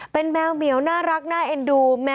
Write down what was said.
เป็นแมวเหมียวน่ารักน่าเอ็นดู